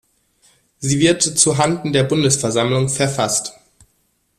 Sie wird zuhanden der Bundesversammlung verfasst.